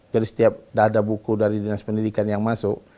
jadi setiap ada buku dari dinas pendidikan yang masuk